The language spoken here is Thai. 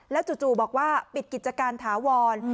จู่บอกว่าปิดกิจการถาวร